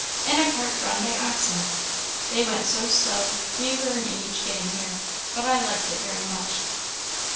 In a cart drawn by oxen! They went so slow, we were an age getting here; but I liked it very much.